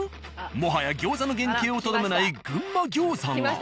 もはや餃子の原形をとどめない群馬餃子が。